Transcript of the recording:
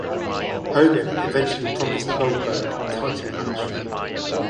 Hogan eventually promised Goldberg a title match.